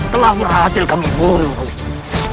telah berhasil kami bunuh busti